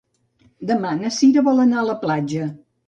Demà na Cira vol anar a la platja.